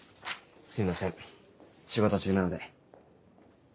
すいません仕事中なので。